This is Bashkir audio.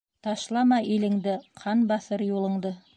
Ташлама илеңде: ҡан баҫыр юлыңды.